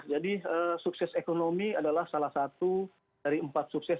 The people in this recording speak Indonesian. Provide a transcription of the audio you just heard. jadi sukses ekonomi adalah salah satu dari empat sukses